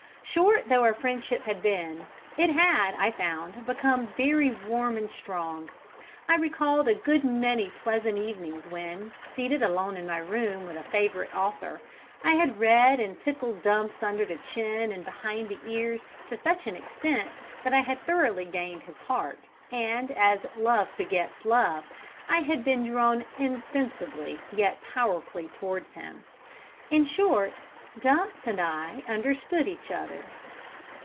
Short though our friendship had been, it had, I found, become very warm and strong. I recalled a good many pleasant evenings when, seated alone in my room with a favourite author, I had read and tickled Dumps under the chin and behind the ears to such an extent that I had thoroughly gained his heart; and as "love begets love," I had been drawn insensibly yet powerfully towards him. In short, Dumps and I understood each other.